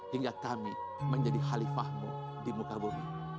hingga kami menjadi halifah mu di muka bumi